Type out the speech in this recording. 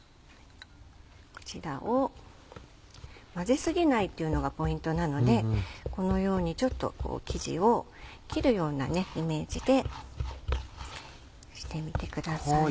こちらを混ぜ過ぎないというのがポイントなのでこのようにちょっと生地を切るようなイメージでしてみてください。